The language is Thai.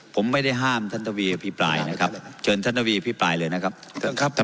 ผมไม่ได้ห้ามท่านทวีอภิปรายนะครับเชิญท่านทวีพิปรายเลยนะครับ